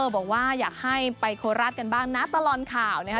บอกว่าอยากให้ไปโคราชกันบ้างนะตลอดข่าวนะคะ